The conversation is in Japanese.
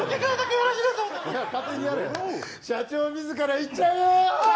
社長、自らいっちゃうよ。